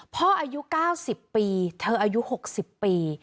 อายุ๙๐ปีเธออายุ๖๐ปี